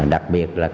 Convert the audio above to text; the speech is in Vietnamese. đặc biệt là các